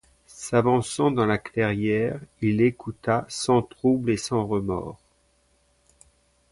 S’avançant dans la clairière, il écouta sans trouble et sans remords.